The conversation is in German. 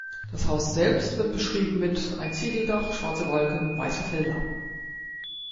Das Haus selbst wird beschrieben mit „ein Ziegeldach, schwarze Balken, weiße Felder“.